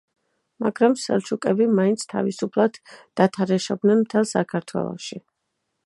მაგრამ სელჩუკები მაინც თავისუფლად დათარეშობდნენ მთელ საქართველოში.